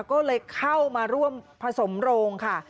ก็เลยเข้ามาร่วมผสมโรงค่ะ